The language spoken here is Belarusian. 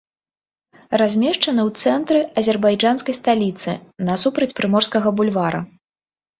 Размешчаны ў цэнтры азербайджанскай сталіцы, насупраць прыморскага бульвара.